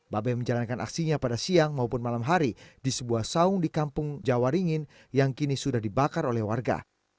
babe menjalankan aksinya pada siang maupun malam hari di sebuah saung di kampung jawa ringin yang kini sudah dibakar oleh warga